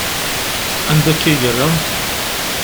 Anda akka i yerra?